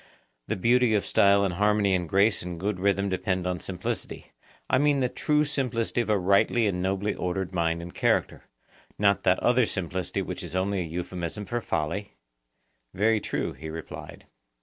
Then beauty of style and harmony and grace and good rhythm depend on simplicity,—I mean the true simplicity of a rightly and nobly ordered mind and character, not that other simplicity which is only an euphemism for folly? Very true, he replied.